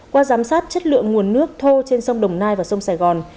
qua giám sát chất lượng nguồn nước thô trên sông đồng nai và sông sài gòn